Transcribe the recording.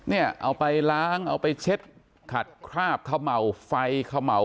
เนี้ยเอาไปล้างเอาไปเช็ดขัดคราบเข้าเหมาไฟเข้าเหมา